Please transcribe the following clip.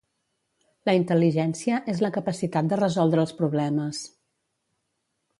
La intel•ligència és la capacitat de resoldre els problemes